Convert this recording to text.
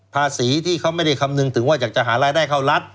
ภาษีที่เขาไม่ได้คำนึงถึงว่าอยากจะหารายได้เข้ารัฐ